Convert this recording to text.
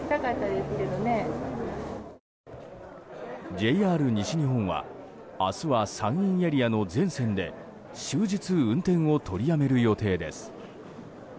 ＪＲ西日本は明日は山陰エリアの全線で終日運転を取りやめる予定です。